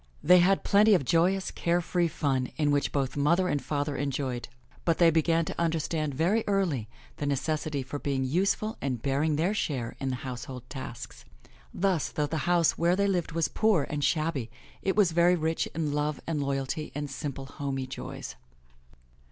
They had plenty of joyous, care free fun in which both mother and father joined, but they began to understand very early the necessity for being useful and bearing their share in the household tasks. Thus, though the house where they lived was poor and shabby, it was very rich in love and loyalty and simple homey joys.